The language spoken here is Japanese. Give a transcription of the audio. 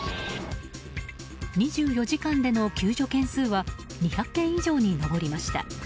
２４時間での救助件数は２００件以上に上りました。